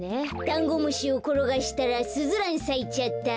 だんごむしをころがしたらスズランさいちゃった。